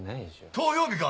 投票日か？